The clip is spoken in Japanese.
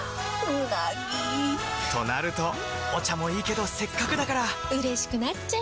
うなぎ！となるとお茶もいいけどせっかくだからうれしくなっちゃいますか！